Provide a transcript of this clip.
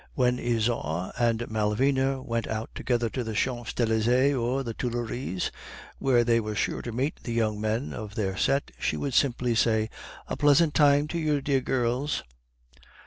When Isaure and Malvina went out together to the Champs Elysees or the Tuileries, where they were sure to meet the young men of their set, she would simply say, 'A pleasant time to you, dear girls.